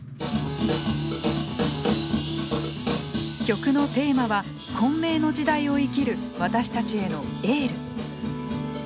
曲のテーマは混迷の時代を生きる私たちへのエール。